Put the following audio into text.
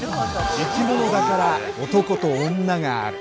生き物だから男と女がある。